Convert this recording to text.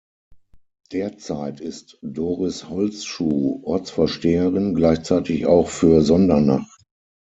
Derzeit ist "Doris Holzschuh" Ortsvorsteherin, gleichzeitig auch für Sondernach.